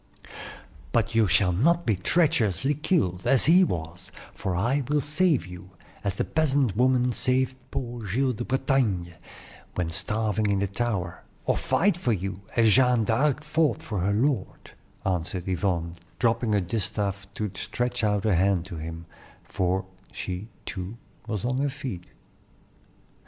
"But you shall not be treacherously killed, as he was; for I will save you, as the peasant woman saved poor Giles de Bretagne when starving in the tower, or fight for you, as Jeanne d'Arc fought for her lord," answered Yvonne, dropping her distaff to stretch out her hand to him; for she, too, was on her feet.